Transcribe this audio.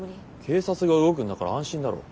警察が動くんだから安心だろ。